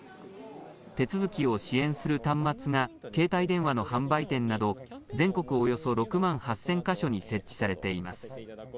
手続きを支援する端末が携帯電話の販売店など、全国およそ６万８０００か所に設置されています。